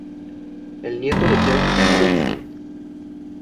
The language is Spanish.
Es nieto de Jackie Gleason.